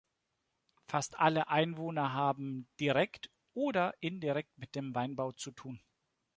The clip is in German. Fast alle Einwohner haben direkt oder indirekt mit dem Weinbau zu tun.